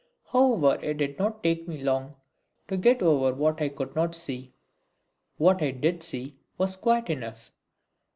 However it did not take me long to get over what I could not see, what I did see was quite enough.